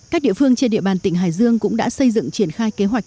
các địa phương trên địa bàn tỉnh hải dương cũng đã xây dựng triển khai kế hoạch